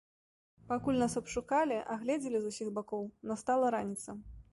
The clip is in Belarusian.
Пакуль нас абшукалі, агледзелі з усіх бакоў, настала раніца.